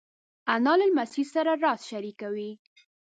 انا له لمسۍ سره راز شریکوي